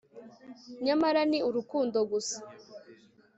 Nyamara ni urukundo gusa